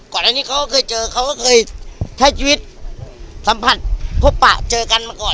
ก่อนอันนี้เขาก็เคยเจอเขาก็เคยใช้ชีวิตสัมผัสพบปะเจอกันมาก่อน